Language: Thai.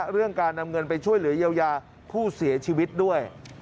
เรื่องการนำเงินไปช่วยเหลือเยียวยาผู้เสียชีวิตด้วย